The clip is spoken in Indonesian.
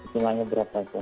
jumlahnya berapa pak